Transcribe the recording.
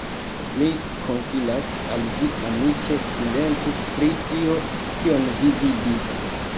mi konsilas al vi amike, silentu pri tio, kion vi vidis.